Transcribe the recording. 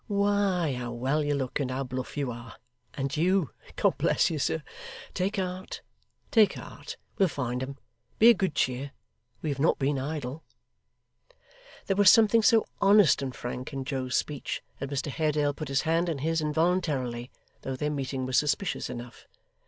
Why, how well you look and how bluff you are! And you God bless you, sir. Take heart, take heart. We'll find them. Be of good cheer; we have not been idle.' There was something so honest and frank in Joe's speech, that Mr Haredale put his hand in his involuntarily, though their meeting was suspicious enough.